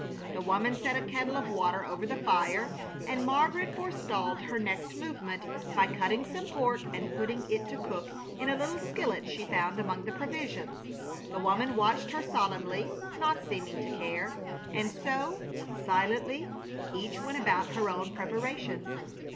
The woman set a kettle of water over the fire, and Margaret forestalled her next movement by cutting some pork and putting it to cook in a little skillet she found among the provisions. The woman watched her solemnly, not seeming to care; and so, silently, each went about her own preparations.